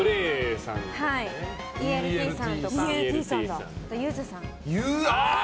ＥＬＴさんとかあと、ゆずさん。